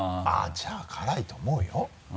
じゃあ辛いと思うよ。